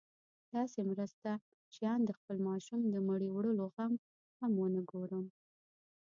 داسې مرسته چې آن د خپل ماشوم د مړي وړلو غم هم ونه ګورم.